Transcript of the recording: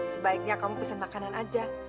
sebaiknya kamu pesen makanan aja